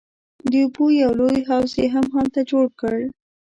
د اوبو یو لوی حوض یې هم هلته جوړ کړ.